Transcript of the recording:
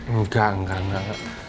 enggak enggak enggak